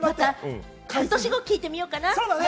半年後、また聞いてみようかな。